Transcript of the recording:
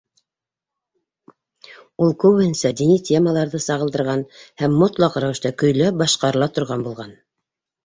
Ул күбеһенсә дини темаларҙы сағылдырған һәм мотлаҡ рәүештә көйләп башҡарыла торған булған.